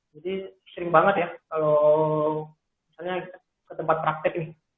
jadi sering banget ya kalau misalnya ke tempat praktik nih